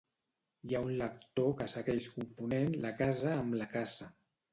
Hi ha un lector que segueix confonent la casa amb la caça